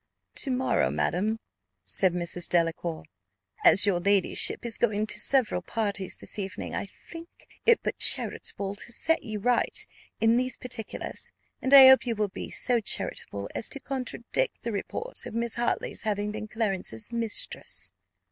"To morrow, madam," said Mrs. Delacour. "As your ladyship is going to several parties this evening, I think it but charitable to set you right in these particulars, and I hope you will be so charitable as to contradict the report of Miss Hartley's having been Clarence's mistress."